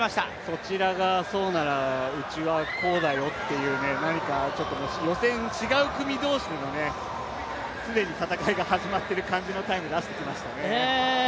そちらがそうなら、うちがこうだよという何かちょっと予選、違う組同士での既に戦いが始まってる感じのタイム出してきましたね。